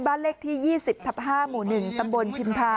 บ้านเลขที่๒๐ทับ๕หมู่๑ตำบลพิมพา